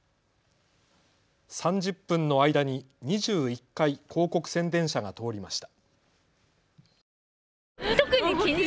３０分の間に２１回広告宣伝車が通りました。